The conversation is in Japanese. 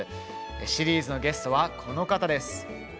シリーズのゲストは、この方です。